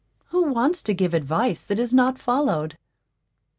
Who wants to give advice that is not followed?